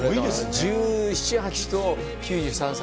１７、８と、９３歳。